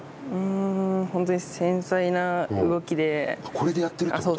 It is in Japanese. これでやってるってこと？